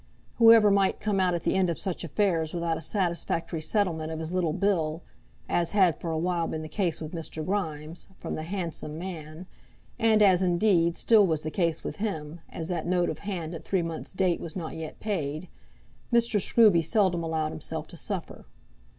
Whoever might come out at the end of such affairs without a satisfactory settlement of his little bill, as had for a while been the case with Mr. Grimes, from the "Handsome Man," and as, indeed, still was the case with him, as that note of hand at three months' date was not yet paid, Mr. Scruby seldom allowed himself to suffer.